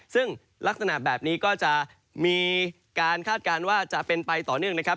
ซึ่งลักษณะแบบนี้ก็จะมีการคาดการณ์ว่าจะเป็นไปต่อเนื่องนะครับ